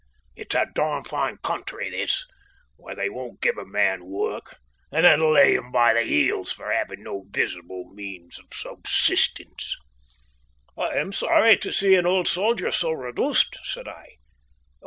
It's a darned fine country this, where they won't give a man work, and then lay him by the heels for having no visible means of subsistence." "I am sorry to see an old soldier so reduced," said I.